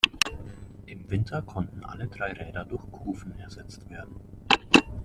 Im Winter konnten alle drei Räder durch Kufen ersetzt werden.